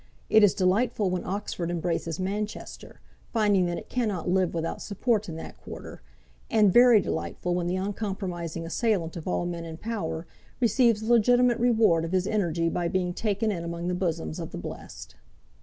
It is delightful when Oxford embraces Manchester, finding that it cannot live without support in that quarter; and very delightful when the uncompromising assailant of all men in power receives the legitimate reward of his energy by being taken in among the bosoms of the blessed.